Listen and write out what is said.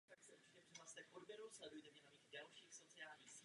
Dospělci mají přední křídla bílá s hnědou a černou kresbou.